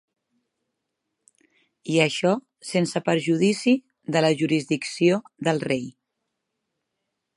I això, sense perjudici de la jurisdicció del rei.